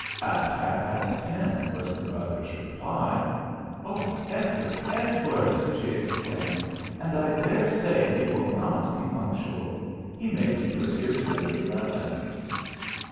"At half past ten," was the brother's reply. "Oh! Edward, Edward!" she exclaimed, "And I dare say he will not be punctual. He may keep us here till eleven."